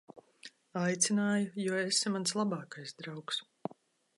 Aicināju, jo esi mans labākais draugs.